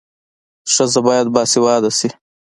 ښځه باید باسواده سي.